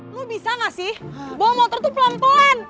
lo bisa gak sih bawa motor tuh pelan pelan